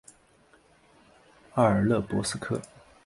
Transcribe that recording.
阿尔勒博斯克。